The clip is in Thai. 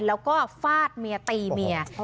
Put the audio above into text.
แล้วก็ฟาดเมียตีเมีย